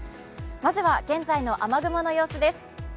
まずは現在の雨雲の様子です。